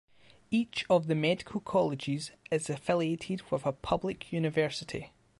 Each of the medical colleges is affiliated with a public university.